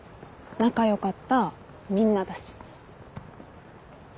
仲良かったみんなだし。